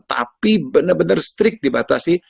tapi benar benar strict dibatasi